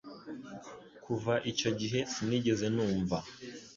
Kuva icyo gihe sinigeze numva